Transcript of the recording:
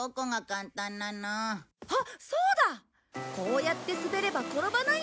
こうやって滑れば転ばないや。